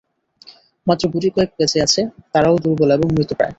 মাত্র গুটিকয়েক বেঁচে আছে, তারাও দুর্বল এবং মৃতপ্রায়।